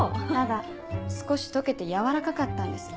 ただ少し溶けて柔らかかったんです。